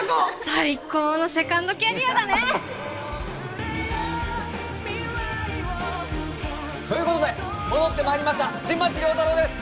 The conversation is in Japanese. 最高のセカンドキャリアだね！ということで戻ってまいりました新町亮太郎です！